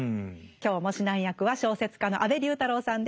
今日も指南役は小説家の安部龍太郎さんです。